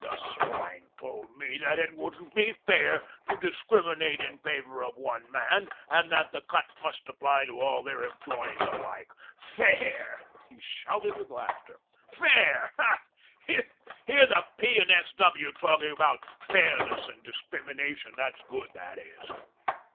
The swine told me that it wouldn't be fair to discriminate in favour of one man, and that the cut must apply to all their employees alike. Fair!" he shouted with laughter. "Fair! Hear the P. and S. W. talking about fairness and discrimination. That's good, that is.